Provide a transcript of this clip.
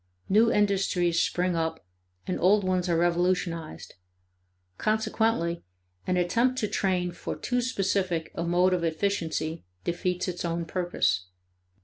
New industries spring up, and old ones are revolutionized. Consequently an attempt to train for too specific a mode of efficiency defeats its own purpose.